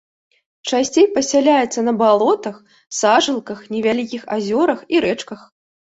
Часцей пасяляецца на балотах, сажалках, невялікіх азёрах і рэчках.